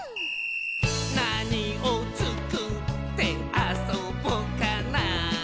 「なにをつくってあそぼかな」